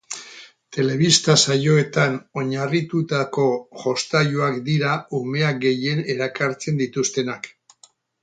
Telebista saioetan oinarritutako jostailuak dira umeak gehien erakartzen dituztenak.